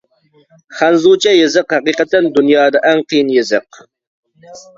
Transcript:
خەنزۇچە يېزىق ھەقىقەتەن دۇنيادا ئەڭ قىيىن يېزىق.